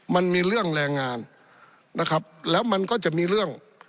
มันมีเรื่องแรงงานนะครับแล้วมันก็จะมีเรื่อง